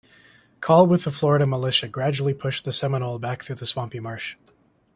Call with the Florida militia gradually pushed the Seminole back through the swampy marsh.